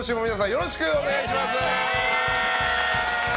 よろしくお願いします！